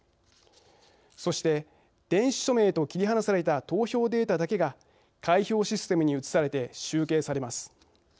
そして、電子署名と切り離された投票データだけが開票システムに移されて集計されます。